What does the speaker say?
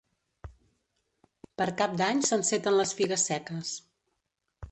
Per Cap d'Any s'enceten les figues seques.